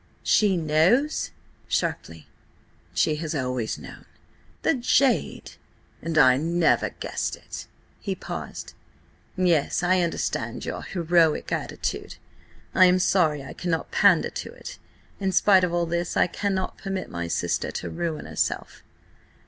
"She knows?" sharply. "She has always known." "The jade! And I never guessed it!" He paused. "Yes, I understand your heroic attitude. I am sorry I cannot pander to it. In spite of all this, I cannot permit my sister to ruin herself."